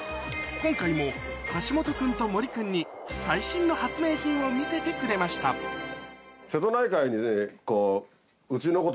今回も橋本君と森君に最新の発明品を見せてくれましたうちのこと。